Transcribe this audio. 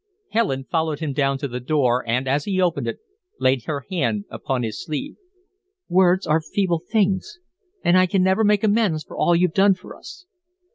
Helen followed him down to the door and, as he opened it, laid her hand upon his sleeve. "Words are feeble things, and I can never make amends for all you've done for us."